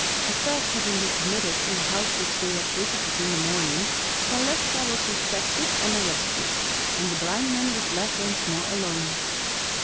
A theft having been committed in a house which they had visited in the morning, Powleska was suspected and arrested, and the blind man was left once more alone.